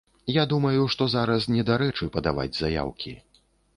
Я думаю, што зараз недарэчы падаваць заяўкі.